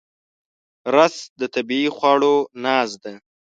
رس د طبیعي خواړو ناز ده